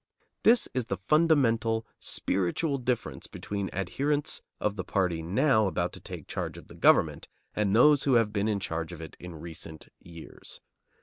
This is the fundamental, spiritual difference between adherents of the party now about to take charge of the government and those who have been in charge of it in recent years.